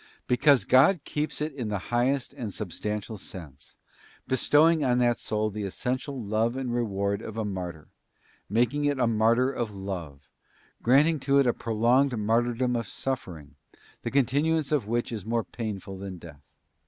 Because God keeps it in the highest and substantial sense, bestowing on that soul the essential love and reward of a martyr, making it a martyr of love, granting to it a prolonged martyrdom of suffering, the con tinuance of which is more painful than death.